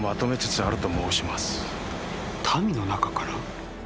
民の中から？